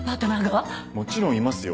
もちろんいますよ。